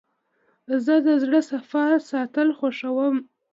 زه د زړه صفا ساتل خوښوم.